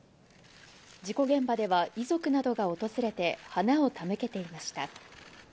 事故現場では、遺族などが訪れて花を手向けていました。